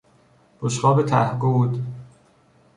بشقاب ته گود